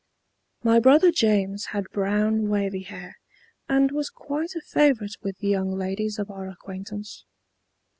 My brother James had brown wavy hair, and was quite a favorite with the young ladies of our acquaintance.